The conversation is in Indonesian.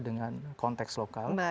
dengan konteks lokal